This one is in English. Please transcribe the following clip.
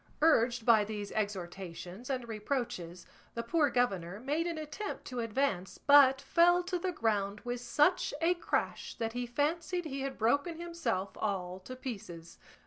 Urged by these exhortations and reproaches the poor governor made an attempt to advance, but fell to the ground with such a crash that he fancied he had broken himself all to pieces.